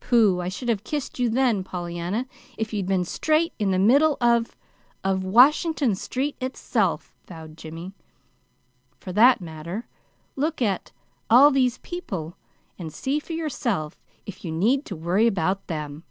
"Pooh! I should have kissed you then, Pollyanna, if you'd been straight in the middle of of Washington Street itself," vowed Jimmy. "For that matter, look at 'all these people' and see for yourself if you need to worry about them."